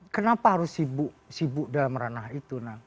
kenapa harus sibuk dalam ranah itu